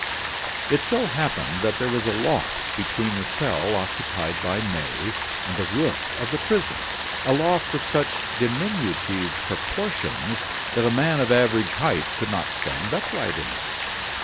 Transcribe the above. It so happened that there was a loft between the cell occupied by May and the roof of the prison, a loft of such diminutive proportions that a man of average height could not stand upright in it.